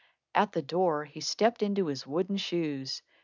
At the door he stepped into his wooden shoes.